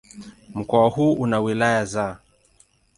Mkoa huu una wilaya za